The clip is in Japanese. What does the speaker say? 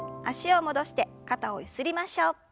脚を戻して肩をゆすりましょう。